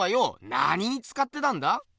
なににつかってたんだ？